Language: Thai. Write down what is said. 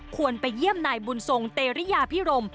ไปเยี่ยมนายบุญทรงเตรียพิรม